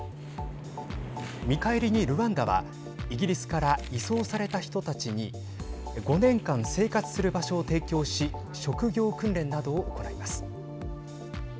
見返りにルワンダはイギリスから移送された人たちに５年間、生活する場所を提供し職業訓練などを行います。